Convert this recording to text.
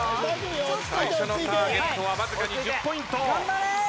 最初のターゲットはわずかに１０ポイント。